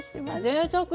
ぜいたく！